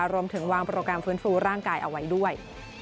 รวมถึงวางโปรแกรมฟื้นฟูร่างกายเอาไว้ด้วย